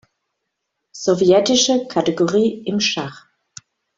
Sowjetische Kategorie im Schach.